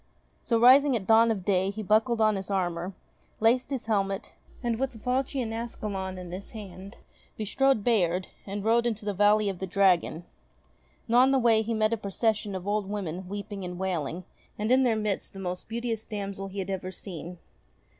So, rising at dawn of day, he buckled on his armour, laced his helmet, and with the falchion Ascalon in his hand, bestrode Bayard, and rode into the Valley of the Dragon. Now on the way he met a procession of old women weeping and wailing and in their midst the most beauteous damsel he had ever seen.